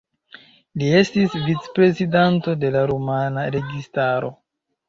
Li estis vicprezidanto de la rumana registaro.